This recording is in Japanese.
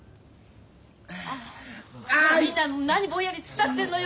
あみんな何ぼんやり突っ立ってんのよ。